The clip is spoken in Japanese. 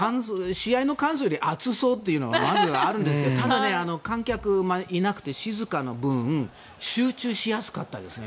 試合の感想より暑そうというのがまず、あるんですけどただ、観客いなくて静かな分集中しやすかったですね。